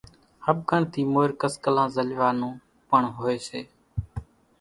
ۿٻڪڻ ٿِي مورِ ڪسڪلان زلوِيا نون پڻ هوئيَ سي۔